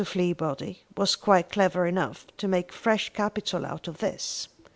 Fleabody was quite clever enough to make fresh capital out of this.